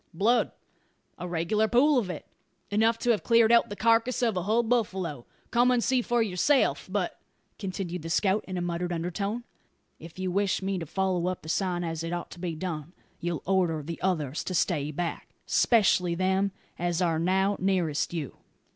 "Blood, a regular pool of it enough to have cleared out the carcass of a hull buffalo. Come and see for yourself. But," continued the scout in a muttered undertone, "if you wish me to follow up the sign as it ought to be done, you'll order the others to stay back 'specially them as are now nearest you."